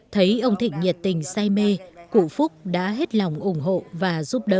thấy ông thịnh nhiệt tình say mê cụ phúc đã hết lòng ủng hộ và giúp đỡ